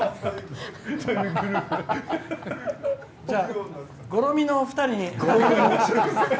じゃあ、ゴロミのお二人に。